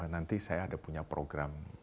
nanti saya ada punya program